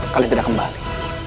kalian tidak kembali